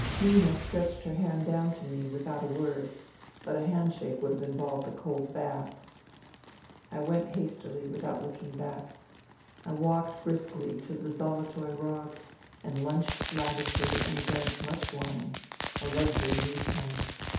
Nina stretched her hand down to me without a word ; but a handshake would have involved a cold bath ! I went hastily, without looking back. I walked briskly to the ' Zolotoy Rog ' and lunched lavishly and drank much wine — a luxury in these times